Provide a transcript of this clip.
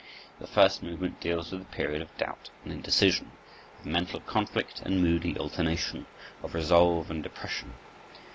The first movement deals with the period of doubt and indecision, of mental conflict and moody alternation, of resolve and depression.